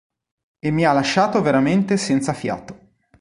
E mi ha lasciato veramente senza fiato.